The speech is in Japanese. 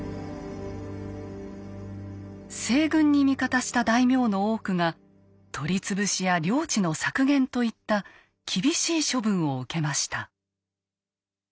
西軍に味方した大名の多くが取り潰しや領地の削減といった厳しい処分を受けました。